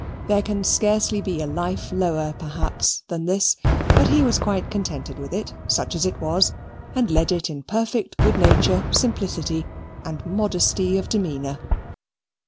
There can scarcely be a life lower, perhaps, than his, but he was quite contented with it, such as it was, and led it in perfect good nature, simplicity, and modesty of demeanour.